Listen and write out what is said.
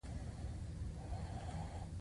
دوی په دې موخه په کلکه مبارزه پیلوي